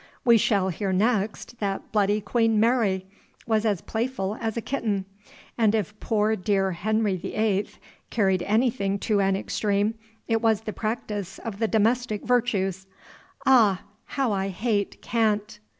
We shall hear next that Bloody Queen Mary was as playful as a kitten; and if poor dear Henry the Eighth carried anything to an extreme, it was the practice of the domestic virtues. Ah, how I hate cant!